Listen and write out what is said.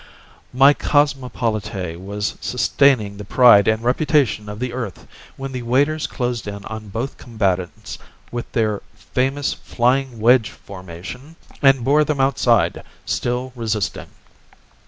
My cosmopolite was sustaining the pride and reputation of the Earth when the waiters closed in on both combatants with their famous flying wedge formation and bore them outside, still resisting.